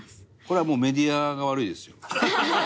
これはもうメディアが悪いですよ。